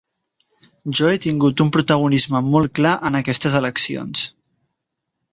Jo he tingut un protagonisme molt clar en aquestes eleccions.